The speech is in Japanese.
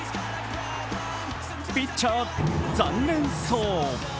ピッチャー残念そう。